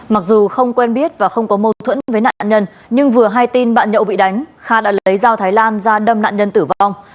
mặc dù không quen biết và không có mâu thuẫn với nạn nhân nhưng vừa hay tin bạn nhậu bị đánh kha đã lấy dao thái lan ra đâm nạn nhân tử vong